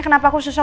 kenapa aku susah